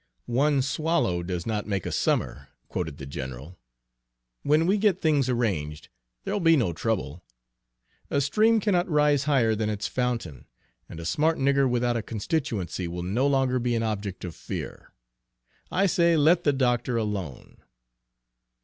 "'One swallow does not make a summer,'" quoted the general. "When we get things arranged, there'll be no trouble. A stream cannot rise higher than its fountain, and a smart nigger without a constituency will no longer be an object of fear. I say, let the doctor alone."